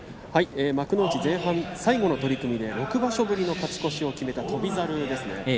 幕内前半最後の取組で６場所ぶりの勝ち越しを決めた翔猿です。